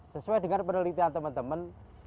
sesuai dengan penelitian teman teman